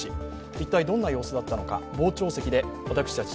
一体どんな様子だったのか傍聴席で私たち